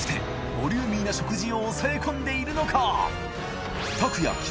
ボリューミーな食事を抑え込んでいるのか？